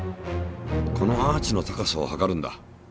このアーチの高さを測るんだ。